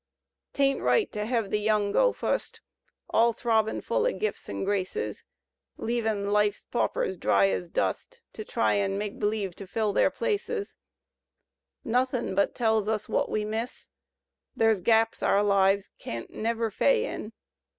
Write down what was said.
Tain't right to hev the young go fust. All throbbin' full o' gifts an' graces, Leavin' life's paupers dry ez dust To try an' make b'lieve fill their places: Nothin' but tells us wut we miss, Ther' 's gaps our lives can't never fay in.